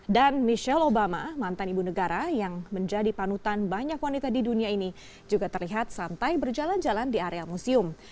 dan michelle obama mantan ibu negara yang menjadi panutan banyak wanita di dunia ini juga terlihat santai berjalan jalan di area museum